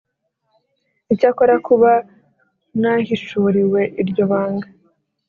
Icyakora kuba nahishuriwe iryo banga